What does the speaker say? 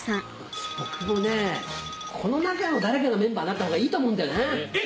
僕もねぇこの中の誰かがメンバーになったほうがいいと思うんだよね！